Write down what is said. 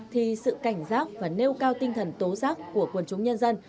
thì sự cảnh giác và nêu cao tinh thần tố giác của quần chúng nhân dân